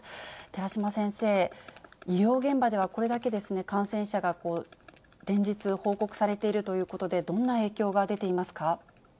寺嶋先生、医療現場では、これだけ感染者が連日報告されているということで、どんな影響が出ていますか。